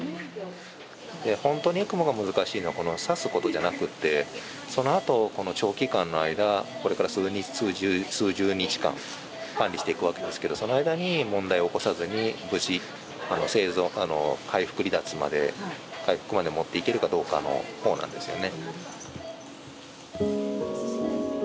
ほんとにエクモが難しいのは挿すことじゃなくってそのあと長期間の間これから数日数十日間管理していくわけですけどその間に問題を起こさずに無事生存回復離脱まで回復までもっていけるかどうかのほうなんですよね。